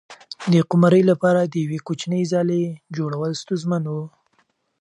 د قمرۍ لپاره د یوې کوچنۍ ځالۍ جوړول ستونزمن و.